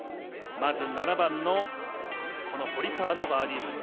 まず７番の堀川のバーディーパット。